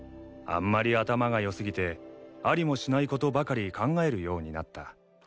あんまり頭が良すぎてありもしないことばかり考えるようになった。